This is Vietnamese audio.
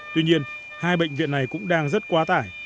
tuy nhiên hai bệnh viện này cũng đang rất quá tải